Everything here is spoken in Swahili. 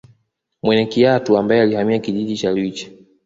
Mwene Kiatu ambaye alihamia kijiji cha Lwiche